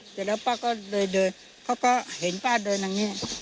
เดี๋ยวแล้วป้าก็เดินเขาก็เห็นป้าเดินตรงนี้